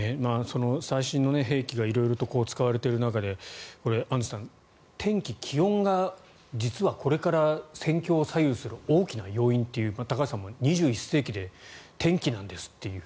最新の兵器が色々と使われている中でアンジュさん、天気、気温が実はこれから戦況を左右する大きな要因という高橋さんも、２１世紀で天気なんですっていう。